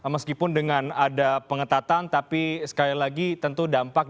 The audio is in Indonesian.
meskipun dengan ada pengetatan tapi sekali lagi tentu dampaknya